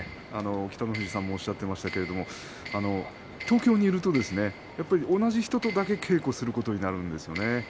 北の富士さんもおっしゃっていましたけれど東京にいるとやっぱり同じ人とだけ稽古することになりますよね。